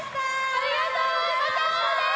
ありがとうございます！